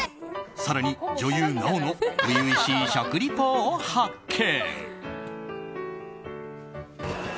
更に女優・奈緒の初々しい食リポを発見。